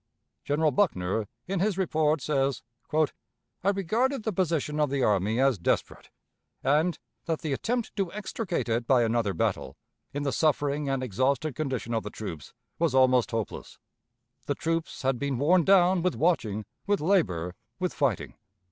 General Buckner in his report, says: "I regarded the position of the army as desperate, and that the attempt to extricate it by another battle, in the suffering and exhausted condition of the troops, was almost hopeless. The troops had been worn down with watching, with labor, with fighting.